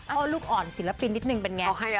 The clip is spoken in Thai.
ลูกอ่อนศิลปินนิดนึงเป็นไง